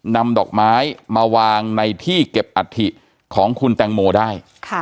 นำดอกไม้มาวางในที่เก็บอัฐิของคุณแตงโมได้